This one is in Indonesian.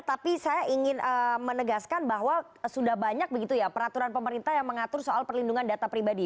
tapi saya ingin menegaskan bahwa sudah banyak begitu ya peraturan pemerintah yang mengatur soal perlindungan data pribadi